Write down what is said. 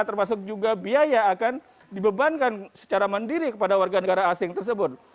termasuk juga biaya akan dibebankan secara mandiri kepada warga negara asing tersebut